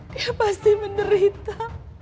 dia pasti menderita